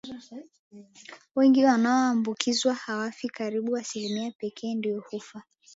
wengi wanaoambukizwa hawafi karibu asilimia pekee ndio hufa